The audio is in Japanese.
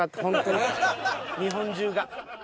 日本中が。